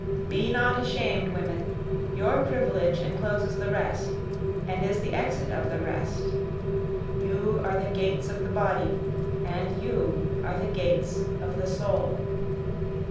Be not ashamed women, your privilege encloses the rest, and is the exit of the rest, You are the gates of the body, and you are the gates of the soul.